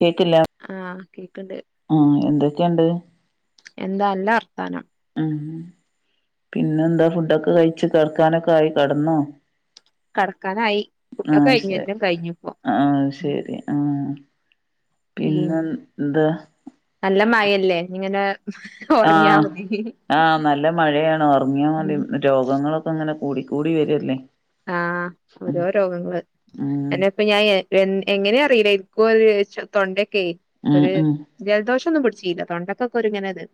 കേട്ടില്ല ആഹ് കേക്ക്ണ്ട് ആഹ എന്തൊക്കെയുണ്ട് എന്താ നല്ല വർത്താനം ഉ പിന്നെന്താ ഫുഡൊക്കെ കഴിച്ച് കിടക്കാനൊക്കെ ആയി കടന്നോ? കടക്കാനായി ഫുഡൊക്കെ ആഹ കഴിഞ്ഞു ശരി എല്ലാം കഴിഞ്ഞുപ്പോ ആഹ ശരി ആഹ പി നല്ല മഴല്ലേ ഇങ്ങനാ ആഹ ആഹ നല്ല മഴയാണ് ഉറങ്ങിയാൽ മതി ഉം രോഗങ്ങളൊക്കെ ഇങ്ങനെ കൂടി കൂടി വരല്ലേ ആഹ ഉം ഓരോ രോഗങ്ങള് ഉം എന്നെപ്പ ഞാൻ എങ്ങനെയ അറിയില്ല ഒരു തൊണ്ടക്കെ ഉം ഒരു ഉം ജലദോഷം ഒന്നും പിടിച്ചില്ല തൊണ്ടക്കൊക്കെ ഒരുങ്ങനത്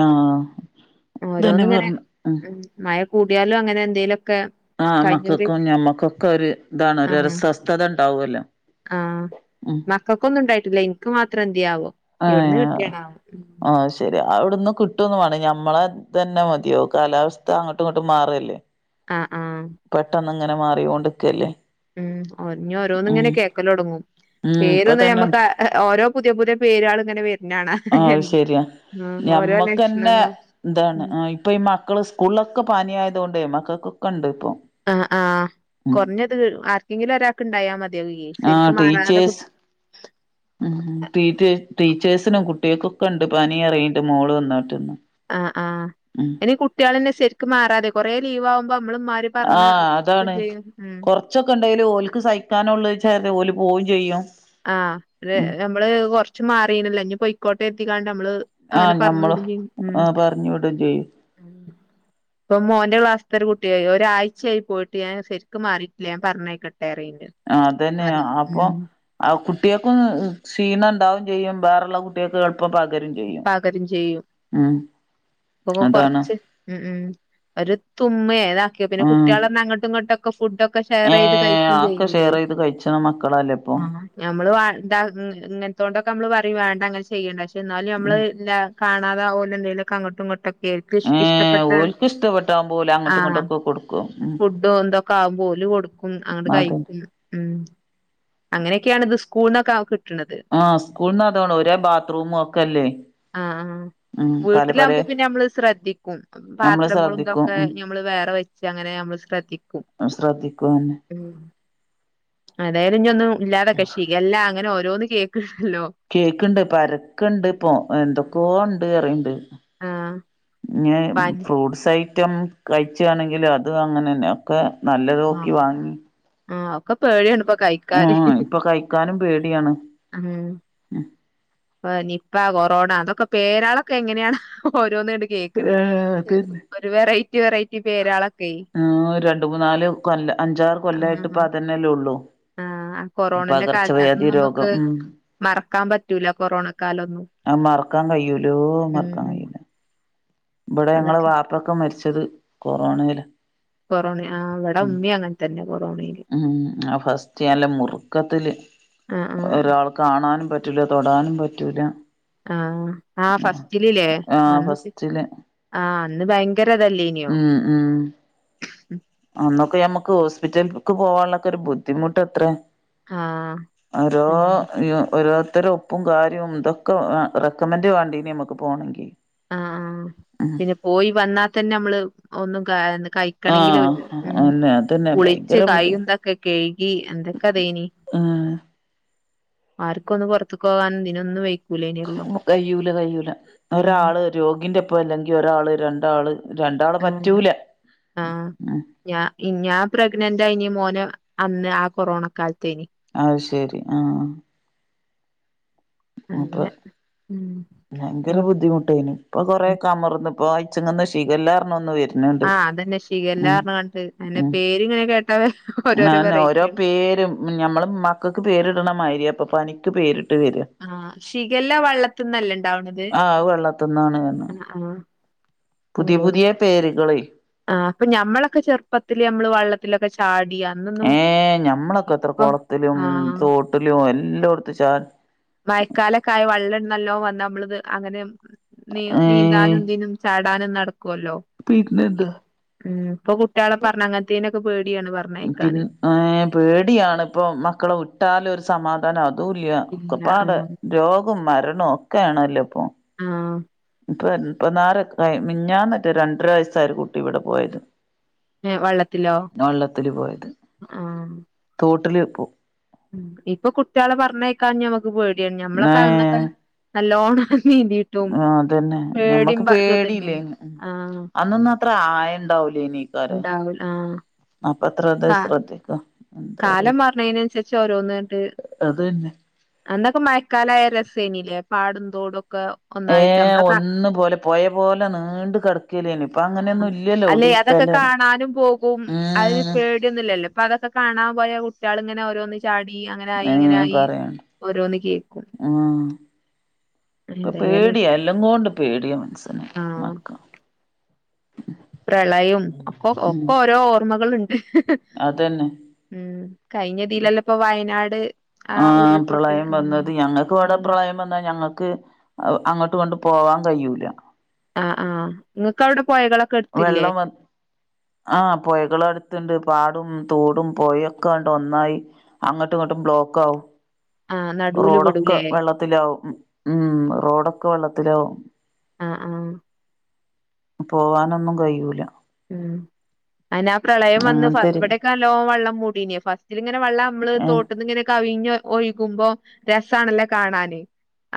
ആ ഇതന്നെ ഓരോന്നും ഇങ്ങനെ പറഞ്ഞ ഉം ഉ മഴ കൂടിയാലും അങ്ങനെ എന്തേലുമൊക്കെ ആ മക്കൾക്കും ഞമ്മക്കൊക്കെ ഒരു ഇതാണ് ഒരു രസ്വസ്ഥത ഉണ്ടാവുമല്ലോ ആ ഉം മക്കൾക്കൊന്നും ഉണ്ടായിട്ടില്ല എനിക്ക് മാത്രം എന്തിയാവോ ആ ആ ശരി അവിടുന്ന് കിട്ടുംന്ന വേ ഞമ്മളെ തന്നെ മതിയോ കാലാവസ്ഥ അങ്ങോട്ടും ഇങ്ങോട്ടും മാറല്ലേ ആഹ് ആഹ് അങ്ങനെ മാറികൊണ്ടിക്കല്ലേ ഉം ഒറിഞ്ഞ ഓരോന്ന് ഇങ്ങനെ കേക്കല് തുടങ്ങും ഉം ഇപ്പൊ പേര്ന്ന തന്നെണ്ട് നമുക്ക് ഓരോ പുതിയ പുതിയ പേര് കൾ ഇങ്ങനെ വരുന്നത് കാണാം ആ അത് ശെരിയാ ഞമ്മക്ക്ന്നെ ലക്ഷണങ്ങളും ഇന്താണ് ഉം ഇപ്പ മക്കള് സ്കൂളിലൊക്കെ പാനീ ആയത കൊണ്ട് മക്കൾക്കൊക്കെ ഉണ്ട് ഇപ്പൊ ആ ആ് ഉം കുറഞ്ഞത് ആർക്കെങ്കിലും ഒരാക്ക് ഉണ്ടായാൽ മതി [unintelligible] ആഹ് ശരിക്കും മാറാതെ കു ടീച്ചേഴ്സ് ഉം ടീച്ചേ ടീച്ചേഴ്സിനും കുട്ടികൾക്കൊ കണ്ട് പനി ഇറങ്ങിയിട്ട് മോള് വന്നിട്ടന്നന്ന് ആഇനി കുട്ടികളന്നെ ശരിക്കും മാറാതെ കൊറേ ലീവ് ആകുമ്പ ആഹ് അതാണ് ഉം കൊറച്ചൊക്കെ ഉണ്ടെലും ഓലക്ക് സഹിക്കാനള്ളച്ച ഓല പോവും ചെയ്യും ആഹ് ഉം നമ്മള് കൊറച്ച് മാറീനില്ല ഇനി പൊയ്ക്കോട്ടെ എത്തിക്കാണ്ട നമ്മള് അങ്ങനെ ആഹ് പറഞ്ഞു ഞമ്മള് വിടുവും ചെയ്യും ഉം ആഹ് പറഞ്ഞു വിടും ചെയ്യും ഉം ഇപ്പൊ മോന്റെ ക്ലാസിലത്തരു കുട്ടിയായി ഒരാഴ്ചയായി പോയിട്ട് ഞാൻ ശരിക്ക് മാറിയിട്ടില്ല ഞാൻ പറഞ്ഞായിക്കട്ടെ അതന്നെയ അപ്പൊ ആ കുട്ടിയക്കും ക്ഷീണ ഉണ്ടാവും ചെയ്യുംവേറുള്ള കുട്ടിയൊക്കെ എളുപ്പം പ പകരും ചെയ്യും അപ്പൊ അതാണ് കൊറച്ച് ഉ ഉ ഒരു തുമ്മേഏതാക്കിയ ഉം കുട്ടികളെ അങ്ങട്ടും ഇങ്ങട്ടൊക്ക ഫുഡൊക്കെ ഷെയർ ചെയ്ത് ഏഹ് കഴിക്കയും ആക്കെ ചെയ്യലേ ഷെയർ ചെയ്ത് കഴിച്ചണ മക്കളല്ലേ ഇപ്പൊ ആ നഞമ്മള് വാണ്ടാ ഇങ്ങനത്തോണ്ട് നമ്മ പറയും വേണ്ട അങ്ങനെ ചെയ്യണ്ട പക്ഷേ എന്നാലും നമ്മള് കാണാതെ ഓല് എന്തേലുംക്കെ അങ്ങോട്ടും ഇങ്ങോട്ടൊക്കെ കേൾക്ക ഇഷ്ടപ്പെട്ട ഇഷ്ടംപോലെ അങ്ങട്ടും ആഹ് ഇങ്ങോട്ടക്കെ കൊടുക്കും ഉം ഫുഡും എന്തൊക്കെ ആകുമ്പ ഓല് കൊടുക്കും അങ്ങോട്ട് അതന്നെ കഴിക്കും ഉ അങ്ങനെയൊക്കെയാണ് ഇത് സ്കൂൾ [unintelligible] ആ സ്കൂളന്ന് അതോണ ഒരേ ബാത്റൂമ ഒക്കെല്ലേ ഉം പല പല വീട്ടിലാവകുമ്പോ പിന്നെ നമ്മള് ശ്രദ്ധിക്കും നമ്മള് ശ്രദ്ധിക്കും പാത്രങ്ങളുംന്തൊക്കെ ഉം നമ്മള് വേറെ വെച്ച് അങ്ങനെ നമ്മ ശ്രദ്ധിക്കും ശ്രദ്ധിക്കും തന്നെ ഉ അതായാലും ഇന്നും ഇല്ലാതെ കക്ഷി അല്ല അങ്ങനെ ഓരോന്നന്ന് കേക്ക കേക്ക ഇണ്ട് പ അരക്കുണ്ട് ഇപ്പൊ എന്തൊക്കൊണ്ട് ഉണ്ട് കേറണ്ട് ആ ഫ്രൂട്ട്സ് ഐറ്റം കഴിച്ചാണെങ്കും അത് അങ്ങനെ തന്നെ ഒക്കെ നല്ലത നോക്കി വാങ്ങി ആ ഒക്കെ പേടിയാണ് ഇപ്പൊ കൈ ക്കാന് ആഹ് ഇപ്പൊ കഴിക്കാനും പേടിയാണ് ഉം നിപ്പ കൊറോണ അതൊക്കെ പേരാളൊക്കെ എങ്ങനെയാണ് പോ ഓരോന്ന് കേക്കണ് ഏഹ് അതന്നെ ഒരു വെറൈറ്റി വെറൈറ്റി പേരാളൊക്കെ രണ്ട് മൂനാല് കൊല്ല അഞ്ചാറ് കൊല്ലമായിട്ട് ഇപ്പ അതെനെല്ലേ ഉള്ളു ആ കൊറോണന്റെ കാൽത്ത രോഗം തുംനമ്മക്ക് ഉം മറക്കാംപറ്റൂല കൊറോണക്കാലൊന്നും അത് മറക്കാൻ കഴിയൂലോ ഉം ഇവടെ ഞങ്ങളെ അതൊക്കെ വാപ്പൊക്കെമരിച്ചത് കൊറോണെല കൊറോണ ആ ഇവിടെ ഉമ്മി അങ്ങനെ തന്നെ കൊറോണയില് ഉ ആ ഫസ്റ്റ്ല്ല മുറുക്കത്തില് ആ ആ ഒരാൾ കാണാനും പറ്റൂല തൊടാനും പറ്റൂല ആ ആഫസ്റ്റിലല്ലേ അ [unintelligible] ലെന ആ അന്ന് ഭയങ്കരതല്ലേനോ ഉം അന്നൊക്കെ ഞമ്മക്ക് ഹോസ്പിറ്റൽക്ക് പോവാള്ളക്കൊരു ബുദ്ധിമുട്ട്ത്ര ആ ഒരോ ആ ഒരു ഒരോ ഇത്തര ഒപ്പുംകാര്യം ഇതൊക്കെ റെക്കമെന്റ് വേണ്ടിനി മ്മക്ക് പോണെങ്കിൽ ആ ആ പിന്നെ പോയി വന്നാതന്നെ മ്മള് ഒന്നും കായ കഴിക്കണങ്കില് ആഹ് ഉം അന്നെ അതന്നെ കുളിച്ച് ഭയങ്കര ബുദ്ധി കൈന്തൊക്കെകഴുകി എന്തൊക്കതേനി ആ ആർകൊന്ന് പൊറത്ത്ക്കോവാൻ ഇതിനൊന്ന് വയ് കയ്യൂല കയ്യൂല ഉം ഒരാള് രോഗിന്റെ ഇപ്പഅല്ലെങ്കി ഒരാള് രണ്ടാള് രണ്ടാള് പറ്റൂല ആ ആ ഉം ഞ ഞാൻ പ്രഗ്നൻ കൈഞ് മോന അന്ന് ആ കൊറോണ കാലത്തേനി അഹ് ശെരി ആ ആ അങ്ങനെ ഉം ഭയങ്കര ഉം ബുദ്ധിമുട്ടേനു ഇപ്പൊ കൊറേകമർന്ന് ഇപ്പൊ അയ്ച്ചങ്ങന്ന് ഷിഗല്ലർഞ ഒന്ന് വര് ആ അതന്നെ ഷിഗല്ലർഞാണ്ട് പിന്നെ ഉം പേര് ഇങ്ങനെകേട്ടാ ഓരോരോ വെറൈറ്റി നഞമ്മള് മക്കക്ക് പേരിട്ണമാരിയാപ്പ പനിക്ക് പേരിട്ട് വെര് ആ ഷിഗല്ല വള്ളത്തിന്നല്ലണ്ടാവണത് ന്നാണ്ർഞ്ഞു പുതി പുതിയ പേരുകള് ആ അപ്പൊ ഞമ്മളൊക്കെ ചെറുപ്പത്തില് നമ്മള് വെള്ളത്തിലൊക്കെ ചാടി അന്നൊന്നും ഏ ഞമ്മളൊക്കെ എത്ര ഇപ്പം കുളത്തിലും ആഹ് തോട്ടിലും എല്ലോട്ത്ത് ചാ മയക്കാലക്കായ വള്ളം നല്ലോവന്ന നമ്മളത് അങ്ങനെ നീ ഏ നീന്താനുംതിനും ചാടാനും നട ക്കുല്ലോ ഇം പിന്നെന്താ ഇപ്പൊ കുട്ട്യേളെപറഞ്ഞങ്ങൻത്തേനൊക്കെ പേ പിൻ ഏ പേടിയാണ് ഇപ്പൊ മക്കളെവ്ട്ടാലും ഒരു സമാധാനാ അതുല്യ ഇല്ല ഒക്കപാടെ ആഹ് രോഗും മരണൊക്കെണല്ലൊ പ്പോ ആ ഇപ്പ ഇപ്പന്നാര മിഞ്ഞാന്നറ്റെ രണ്ടരവയസ്സായ ഒരു കുട്ടി ഇവടെപോയത് ഏഹ് വള്ളത്തിലോ വള്ളത്തില്പോയത് ആഹ് തോട്ടില് പോ ഇപ്പൊ കുട്ട്യേളെ പറഞ്ഞയ്ക്കാ ഞ്ഞമ്മക്ക് പേടിയാണ് നമ്മളൊക്കെ അയന്നൊക്കെ നല്ലോണം നീന്തീട്ടും ആ അതന്നെ പേടിം ഞമ്മക്ക് പ ഇതൊന്നും ഇല്ലല്ലോ പേടിയില്ലേനി ആഹ് അന്നൊന്നും അത്ര ആയണ്ടാവു ലെനികാരം ഉണ്ടാവൂല ആഹ് അപ്പത്ര അത് കാ ശ്രദ്ധിക്ക എന്താ കാലം അറിയില്ല മാർണേനൻസരിച്ചോരോന്ന്ണ്ട് അതന്നെ അന്നൊക്കെ മയക്കാലായ രസേനിലെ പാടുംന്തോടൊ ഏ ഒന്നുപോലെ പൊയപോലെ നീണ്ട്കെടക്കലേനൊ ഇപ്പ ആഹ് അങ്ങനെന്നും അല്ലെ ഇല്ലല്ലൊവ്ടി അതൊക്കെ കാണാനും പോകും അതിന് പേടിയൊന്നില്ലല്ലോ പ്പൊ അതൊക്കെ കാണാൻപോയ കുട്ട്യാള് ഇങ്ങനെ ഓരോന്ന് ചാടി അങ്ങനെ ആയി ഏ ഇങ്ങനായി പറയണ്ട ഓരോന്ന്കേക്കും ഉം ഏതയാലും പേടിയ മനസന് മക്ക പ്രളയും ഒ ഉം ഒക്കോരോ ഓർമ്മകള് അതന്നെ ഉം കഴിഞ്ഞതിലല്ല ഇപ്പൊ വയനാട് ആ ഉരുൾപൊട്ടൽ പ്രളയം ഉം വന്നത് ഞങ്ങക്ക് വടെ ഉം പ്രളയംവന്നാ ഞങ്ങക്ക് അങ്ങ ട്ട് കൊണ്ട് പോവാൻകയ്യൂല ആ ആ് നിങ്ങക്ക് അവിടെ പൊഴകളൊക്കെ എടുത്തില്ലേ വെള്ളം വ ആഹ പുഴകള അടുത്തണ്ട് പാടും തൂടും പോയൊക്കണ്ട് ഒന്നായി അങ്ങോട്ടും ഇങ്ങോട്ടും ബ്ലോക്ക് ആാവും ആ നടൂല് റോഡൊക്കെ പെടൂലേ വെള്ളത്തിലാവും ഉം റോഡൊക്കെ വെള്ളത്തിലാവും അ ആ പോവാനൊന്നും കയ്യൂല ഉം അനാ പ്രളയം വന്ന് അങ്ങനത്തെരു ഇവിടെക്കെല്ലോ വെള്ളം മൂടീന ഫസ്റ്റ് ഇരിങ്ങനെ വെള്ളം നമ്മള് ആ തോട്ടന്ന് ഇങ്ങനെ കവിഞ്ഞ ഒഴിക്കുമ്പോ രസാണല്ലേ കാണാന്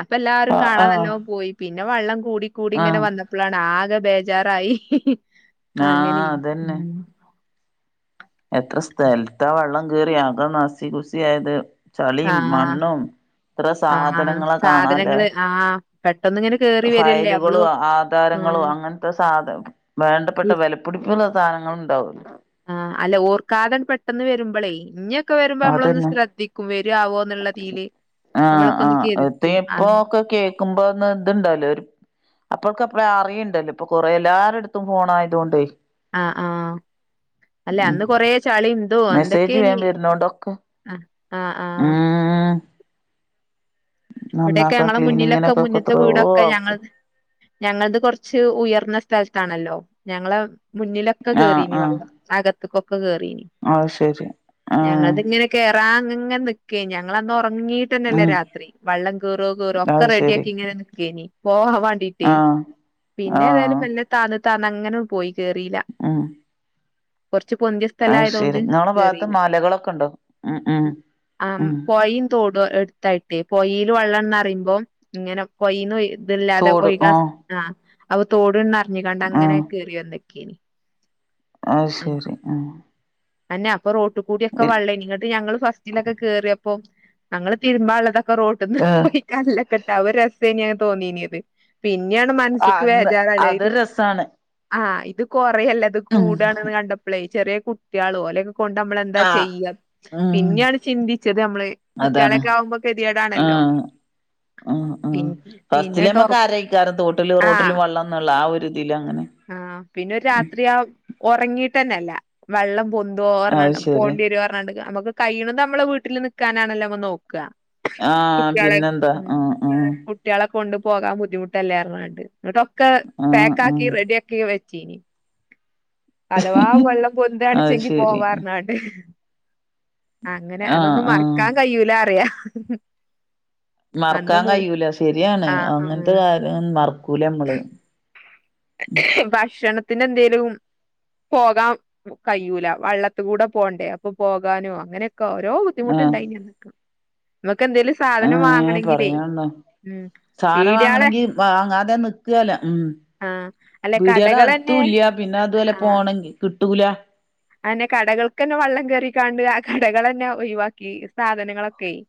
അപ്പൊ എല്ലാവാരും ആ കാണാൻ ആ നല്ലോ പോയി പിന്നെ വെള്ളം കൂടി കൂടി ആ ഇങ്ങനെ വന്നപ്പളാണ് ആ കെ ബേജാറായി ആ അങ്ങനെയ അതന്നെ എത്ര സ്ഥലത്ത വെള്ളം കീറിയ ആക നസി കുുസി ആയത് ആ ചളീം മണ്ണും ഇത്ര ആ സാധനങ്ങളെ കാണാല് സാധനങ്ങള് ആ പെട്ടെന്ന് ഇങ്ങനെ കേറി വരല്ലേ നമ്മള് ഫയലുകളും ആധാരം ോ ആഹ് അങ്ങനത്തെ സാധ വേണ്ടപ്പെട്ട വിലപ്പിടിപ്പ സാധനങ്ങള ആഹ അല്ല ഓർക്കാതൻ പെട്ടെന്ന് വരുമ്പോളേ ഇഞ ക്കെ വരുമ്പോ നമ്മളൊന്ന് അതന്നെ ശ്രദ്ധിക്കും വരവോ എന്നുള്ള രീയില് ആ ആഹ് അ ഇപ്പ ഒക്കെ കേക്കുമ്പോന്ന എതുണ്ടല്ലോ അപ്പോഴക്ക അപ്പറേ അറിയുണ്ടല്ലോ ഇപ്പൊ കൊറെ എല്ലരുടെ അടുത്തും ഫോൺ ആയത കൊണ്ട് ആ ആ അല്ലെ ഉം അന്ന് കൊറ ചളിുന്തോ മെസ്സേജ് എന്തൊക്കെയനി വേം വരുന്നോണ്ടൊക്കെ ആ ആഹ് ആഹ് ആ ഇവിടെൊക്കെ ഞങ്ങളെ മുന്നിലൊക്കെ ക്ലീനിങ്ങിനൊക്കെ മുന്നത്തെ എത്രയോ വീടൊക്കെ ഞങ്ങൾ ആൾക്ക് ഞങ്ങളത് കൊറച്ച് ഉയർന്ന സ്ഥലത്താണല്ലോ ഞങ്ങള മുന്നിലൊക്കെ ആഹ് കേറീനി ആഹ് വെള്ളം അകത്തക്കൊെ കേറിനി അത് ശരി ആഹ് ഞങ്ങൾതിങ്ങനെ ഇത്ര അങ്ങെ നിക്കേ ഞങ്ങന്ന ഉറങ്ങീട്ടന്നെല്ലേ ഉം രാത്രി വള്ളം കേറോ കറോ ഒക്കെ അത് റെഡിയ ശരി ആക്കി ഇങ്ങനെ നക്കേനി പോം വണ്ടീട്ട ആഹ് പിന്നെ ആഹ് ഏതായാലും നല്ല താ താന്ന അങ്ങനെ പോയി ചെറില അ ശെരി ഇള് ഭാഗത്ത് കേറിയില്ല മലകളൊക്കെ ഉണ്ടോ ഉം ഉം ആ ഉം പോയിം തോട എടുത്തായിട്ടേ പയിൽ വെള്ളംന്ന്റിയുമ്പോ ഇങ്ങനെ പൊയിന്ന് ഇതല്ലാതെ തോട് ഒഴികാ ആഹ് ആ അവ തോടണ് അറിഞ്ഞുകണ്ട് അങ്ങനെ കയറിയ എന്തൊക്ക കെണി ആ ശരി ആ അന്നെ അപ്പൊ റൊട്ട് കൂടിയൊക്കെ വള്ളേെ നിങ്ങട്ട് ഞങ്ങള്ൾ ഫസ്റ്റിലൊക്കെ ക കേറിയപ്പ അപ്പം ഞങ്ങള്ൾ തിരുമ്പ ഉള്ളതൊക്കെ റോട്ടിൽ നിന്ന് ആഹ് പോയി കല്ലക്കെട്ടാ ഒരു ൻ തോന്നീന്യത് പിന്നെയാണ് ആഹ് മനസ്ക്ക് അന്ന് വേചറ അല്ലായത് അതൊരു രസാണ് ആ ഇത് കൊറയല്ല അത് ഉം കൂടാണ്ന്ന് കണ്ടപ്പോളേ ചെറിയ കുട്ട്യാളും പോലെെ കൊണ്ട് നമ്മൾെന്താ ആഹ് ചെയ്യുക ഉം പിന്നെയാണ് ചിന്തിച്ചത് നമ്മള് കുട്ടികളൊക്കെ ആവുമ്പോ കെതിയേടാണല്ലോ ആ ആ ആ പിന്നെട്ട് ഒറ ഫസ്റ്റിലമ്മക്ക് ആരിക്കാരും തോട്ടില റോട്ടിലും വെള്ളംന്നള്ള ആ ഒരു ഇതില് അങ്ങനെ ആ പിന്നെ രാത്രിയാ ഉറങ്ങീട്ടന്നെല്ല വെള്ളം പൊന്ന അത് ഓ ശെരി പോണ്ടിര് ഓഞ്ഞണ്ട് നമ്മക്ക് കൈ്യ നമ്മള വീട്ടിൽ നിക്കക്കാനാണല്ലോ നമ്മ നോക്ക ആഹ് കുട്ടികളെ പിന്നെന്താ ഉ ആഹ് ആഹ് കുട്ടികളെ കൊണ്ട് പോകാൻ ബുദ്ധിമുട്ടല്ലേർ ഞാണ്ട് ന്നിട്ടൊക്കെ ആഹ് പാക്കി ആഹ് റെഡി ആക്കി വെ ചീനി അഥവാ വെള്ളം അത് പൊന്താണിച്ചെങ്കി ശെരി പോവാറന്നാണ്ട് അങ്ങനെ ആഹ് അതൊന്നും ആഹ് മറക്കാൻ കഴൂല അറിയാ അന്ന് മറക്കാൻ മൂ കഴൂല ശരിയാണ് ആഹ് അങ്ങനത്തെ കാര്യം മറക്കൂല മ്മള് ഭക്ഷണത്തിന് എന്തേലും പോകാൻ കഴൂല വള്ളത്തി കൂടെ പോണ്ടേ അപ്പൊ പോകാനോ അങ്ങനെ ക്കോ ഓരോ ബുദ്ധിമുട്ടുണ്ടായി ഞങ്ങക്ക്. ആ ഹെ പറയാന്ണ്ടോ? ഉം സാദനം പീടിയാളെ വാങ്ങണെങ്കി വാങ്ങാതെ നിക്കെല്ല മം ആഹ് അല്ല പീടിയാൾ കടകളന്നെ അർതുല്ല്യ പിന്നെ അതുവല്ലാ പോണെങ്കി കിട്ടൂല. അങ്ങനെ കടകൾക്കെന്നെ വള്ളം കേറിക്കാണ്ട് ആ കടകളെന്നെ ഒഴിവാക്കി സാധനങ്ങളൊക്കെയ്-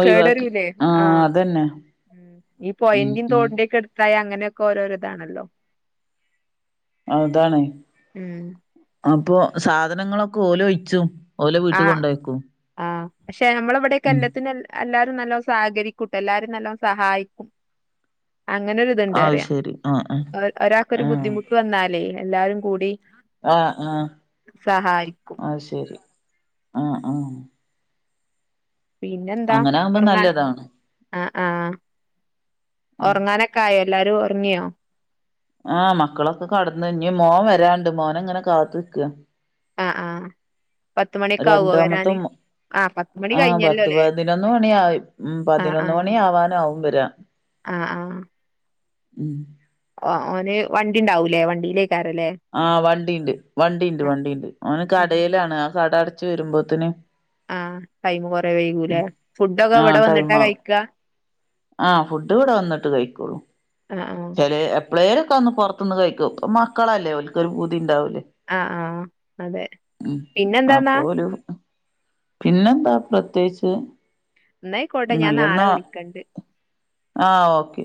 ഒഴിവാക്കി കേടെരൂലെ ആ ആഹ് അതന്നെ ഈ ഉം പൊയന്റിം ഉം തോടിന്റൊക്കെ എടുത്തായ അങ്ങനെയൊക്കെ ഓരോരോ ഇതാണല്ലോ? അതാണ് ഉം അപ്പൊ സാധനങ്ങളൊക്കെ ഓല് ഒഴിച്ചും. ഓലെ ആ വീട്ട് കൊണ്ടോയ്ക്കും ആ പക്ഷെ നമ്മളവിടൊക്കെ ഉം എല്ലാത്തിനും എല്ലാരും നല്ല സഹകരിക്കും എല്ലാരും നല്ലോം സഹായിക്കും. അങ്ങനെരു ഇത്ണ്ട് അത് പറയ ശരി ആഹ് ആഹ് ഒരാൾക്കൊരു ബുദ്ധിമുട്ട് വന്നാലേയ് എല്ലാരും കൂടി ആ ആ സഹായിക്കും അയ് ശെരി ആ ആ പിന്നെന്താ ആകുമ്പോ ഉറങ്ങാൻ നല്ലതാണ് ആ ആ ഉം ഉറങ്ങാനൊക്കെ ആയോ? എല്ലാരും ഉറങ്ങിയോ? ആ മക്കളൊക്കെ കടന്നു ഞ്ഞി മോൻ വരാണ്ട് മോനെ ഇങ്ങനെ കാത്ത് നിക്ക ആ ആ പത്ത് മണിക്കാവോ വെരാന്? ആ പത്ത് പതിനൊന്ന് മണിയായി മം പതിനൊന്ന് മണി ആവാനാവും വെരാൻ ആ ആ ഉം ആ ഓന് വണ്ടി ഇണ്ടാവുംലേ വണ്ടിയിലേക്ക് ആ വണ്ടിയിണ്ട് വണ്ടിയിണ്ട് വണ്ടിയുണ്ട് ഓന് കടയിലാണ് ആ കട അടച്ച് വെരുമ്പോത്തിന് ആ ടൈമ് കൊറെ വൈകൂല്ലേ ഫുഡൊക്കെ ഇവിടെ വന്നിട്ടാ കഴിക്ക? ആ ഫുഡ് ഇവിടെ വന്നിട്ട് കഴിക്കോള്ളൂ. ആ ആ എപ്പ്ളേലൊക്കെ ഒന്ന് പുറത്ത്ന്ന് കഴിക്കും അപ്പോ മക്കളല്ലേ ഓൽക്കെ രുക്കൊരു പൂതി ഉണ്ടാവും ആ ആ ആ അതെ പിന്നെ എന്താന്നാ? അപ്പൊ ഓല് പിന്നെന്താ പ്രത്യേകിച്ച്? ഇന്നയിക്കോട്ടെ ഞാൻ നാളെ വിളിക്കണ്ട്. ആ ഓക്കെ.